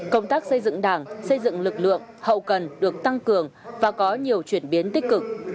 công tác xây dựng đảng xây dựng lực lượng hậu cần được tăng cường và có nhiều chuyển biến tích cực